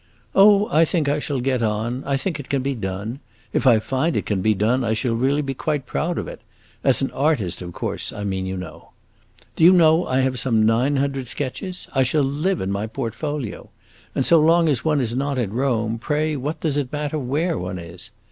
"Oh, I think I shall get on; I think it can be done. If I find it can be done, I shall really be quite proud of it; as an artist of course I mean, you know. Do you know I have some nine hundred sketches? I shall live in my portfolio. And so long as one is not in Rome, pray what does it matter where one is?